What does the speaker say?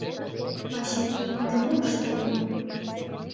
Вачи, ынде мом ыштем?..